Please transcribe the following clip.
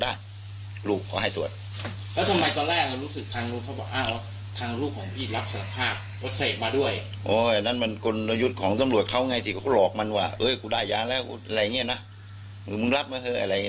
อะไรอย่างงี้ประมาณนั้นน่ะมันจริงแล้วผมคงไม่มีไร